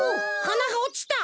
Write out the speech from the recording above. はながおちた！